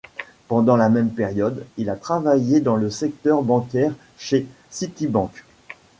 Pendant la même période, il a travaillé dans le secteur bancaire chez Citibank.